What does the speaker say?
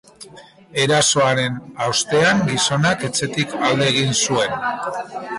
Erasoaren ostean, gizonak etxetik alde egin zuen.